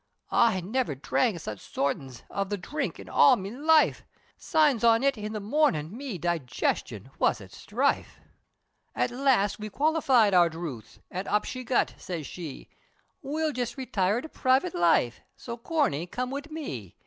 I never drank such sortin's, of The drink, in all me life, Signs on it, in the mornin', me Digestion, was at strife! At last, we qualified our drooth, An' up she got, siz she, "We'll just retire to private life, So Corney, come wid me."